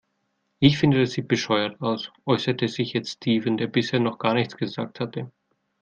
"Ich finde, das sieht bescheuert aus", äußerte sich jetzt Steven, der bisher noch gar nichts gesagt hatte.